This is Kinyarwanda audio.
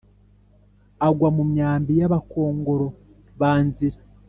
agwa mu myambi y’abakongoro ba nzira.